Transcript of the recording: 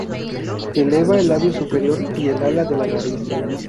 Eleva el labio superior y el ala de la nariz.